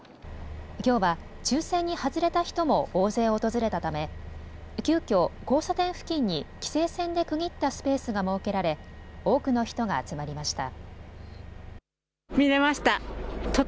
きょうは抽せんに外れた人も大勢、訪れたため急きょ交差点付近に規制線で区切ったスペースが設けられ多くの人が集まりました。